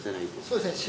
そうですね。